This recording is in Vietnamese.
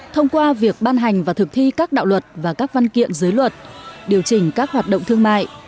thông qua việc ban hành và thực thi các đạo luật và các văn kiện giới luật điều chỉnh các hoạt động thương mại